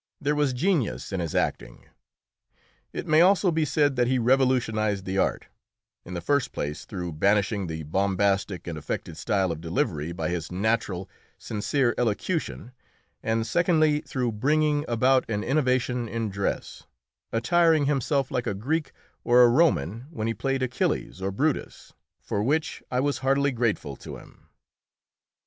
There was genius in his acting. It may also be said that he revolutionised the art, in the first place through banishing the bombastic and affected style of delivery by his natural, sincere elocution, and secondly through bringing about an innovation in dress, attiring himself like a Greek or a Roman when he played Achilles or Brutus for which I was heartily grateful to him.